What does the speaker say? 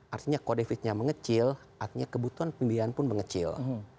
artinya kalau defisitnya mengecil artinya kebutuhan pembiayaan pun mengecil